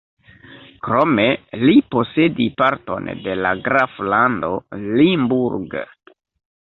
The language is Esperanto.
Krome li posedi parton de la graflando Limburg.